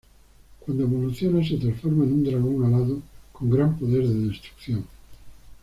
Cuando evoluciona se transforma en un dragón alado con gran poder de destrucción.